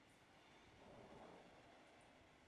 Se desenvolvía en las posiciones de alero o escolta.